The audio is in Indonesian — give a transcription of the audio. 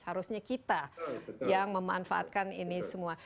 harusnya kita yang memanfaatkan ini semua